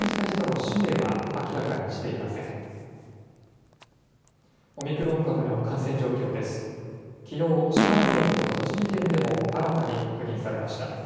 きのう、島根県と栃木県でも新たに確認されました。